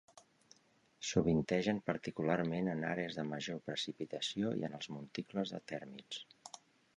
Sovintegen particularment en àrees de major precipitació i en els monticles de tèrmits.